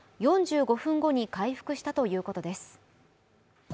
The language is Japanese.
４５分後に回復したということです。